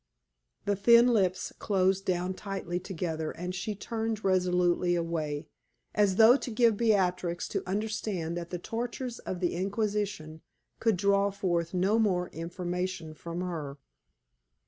The thin lips closed down tightly together, and she turned resolutely away, as though to give Beatrix to understand that the tortures of the Inquisition could draw forth no more information from her.